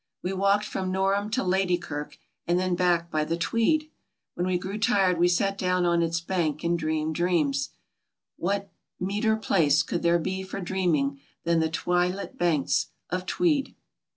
We walked from Norham to Ladykirk and then back by the Tweed. When we grew tired we sat down on its bank and dreamed dreams. What meeter place could there be for dreaming than the twilit banks of Tweed?